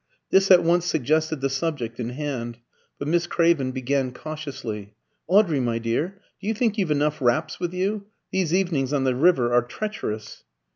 This at once suggested the subject in hand. But Miss Craven began cautiously "Audrey, my dear, do you think you've enough wraps with you? These evenings on the river are treacherous."